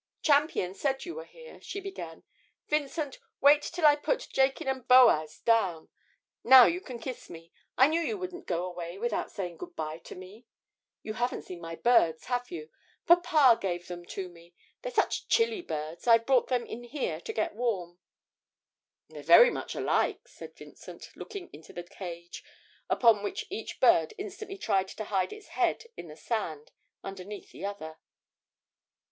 'Champion said you were here,' she began. 'Vincent, wait till I put Jachin and Boaz down. Now you can kiss me. I knew you wouldn't go away without saying good bye to me. You haven't seen my birds, have you? Papa gave them to me. They're such chilly birds, I've brought them in here to get warm.' 'They're very much alike,' said Vincent, looking into the cage, upon which each bird instantly tried to hide its head in the sand underneath the other.